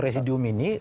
jadi diumum ini